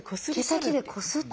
毛先でこすって。